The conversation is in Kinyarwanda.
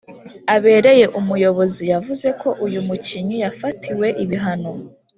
abereye umuyobozi, yavuze ko “uyu mukinnyi yafatiwe ibihano